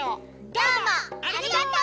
どうもありがとう！